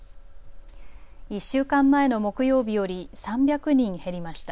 １週間前の木曜日より３００人減りました。